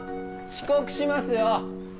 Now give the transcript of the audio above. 遅刻しますよ。